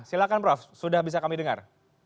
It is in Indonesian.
silahkan prof sudah bisa kami dengar